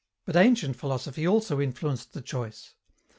But ancient philosophy also influenced the choice.